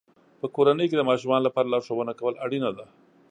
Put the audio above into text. په کورنۍ کې د ماشومانو لپاره لارښوونه کول اړینه ده.